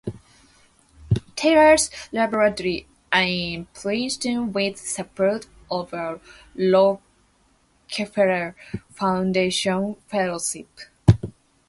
Taylor's laboratory in Princeton with support of a Rockefeller Foundation fellowship.